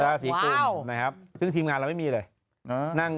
ราศีกุมแรง